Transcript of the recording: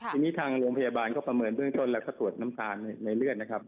ทีนี้ทางโรงพยาบาลก็ประเมินเบื้องต้นแล้วก็ตรวจน้ำตาลในเลือดนะครับ